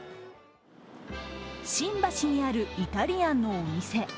新橋にあるイタリアンのお店。